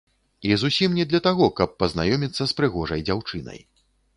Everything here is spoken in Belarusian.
І зусім не для таго, каб пазнаёміцца з прыгожай дзяўчынай.